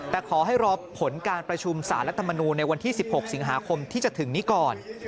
แต่ขอให้รอผลการประชุมสารรัฐมนูลในวันที่๑๖สิงหาคมที่จะถึงนี้ก่อน